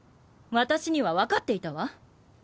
私には分かっていたわ。